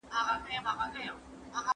هر څوک کولی شي د خپل ذوق سره سم کتاب واخلي.